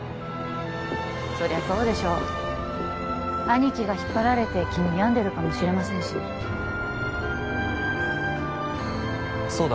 そりゃそうでしょう兄貴が引っ張られて気に病んでるかもしれませんしそうだ